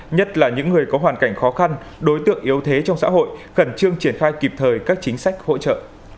nhất là những người có hoàn cảnh khó khăn đối tượng yếu thế trong xã hội khẩn trương triển khai kịp thời các chính sách hỗ trợ